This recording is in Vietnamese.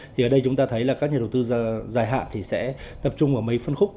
thì ở đây chúng ta thấy là các nhà đầu tư dài hạn thì sẽ tập trung ở mấy phân khúc